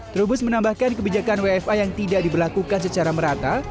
trubus menambahkan kebijakan wfa yang tidak diberlakukan secara merata